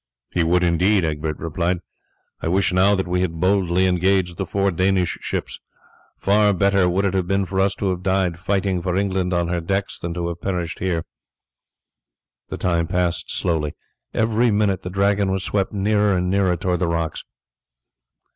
"He would indeed," Egbert replied. "I wish now that we had boldly engaged the four Danish ships. Far better would it have been for us to have died fighting for England on her decks than to have perished here." The time passed slowly. Every minute the Dragon was swept nearer and nearer towards the rocks.